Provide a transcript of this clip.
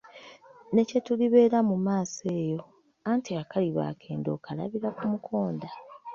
Ne kye tulibeera mu maaso eyo, anti akaliba akendo okalabira ku mukonda.